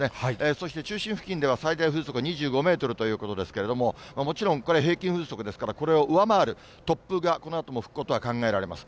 そして中心付近では最大風速２５メートルということですけれども、もちろん、これ、平均風速ですから、これを上回る突風がこのあとも吹くことは考えられます。